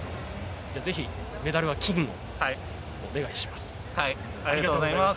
ぜひメダルは金をお願いします。